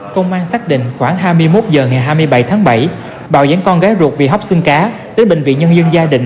công an xác định khoảng hai mươi một h ngày hai mươi bảy tháng bảy bảo dẫn con gái ruột bị hóc xương cá đến bệnh viện nhân dân gia đình